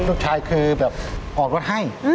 ลูกชายคือแบบออกรถให้